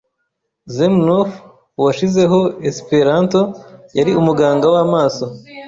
Zamenhof, uwashizeho Esperanto, yari umuganga w'amaso.